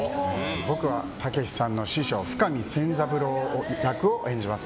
僕は武さんの師匠深見千三郎役を演じます。